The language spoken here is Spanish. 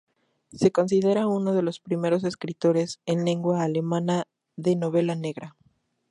Se considera uno de los primeros escritores en lengua alemana de novela negra.